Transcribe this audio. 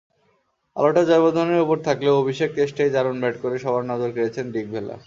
আলোটা জয়াবর্ধনের ওপর থাকলেও অভিষেক টেস্টেই দারুণ ব্যাট করে সবার নজর কেড়েছেন ডিকভেলা।